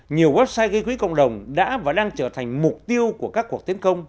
nhiều website gây quỹ cộng đồng đã và đang trở thành mục tiêu của các cuộc tiến công